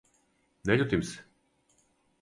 Не љутим се!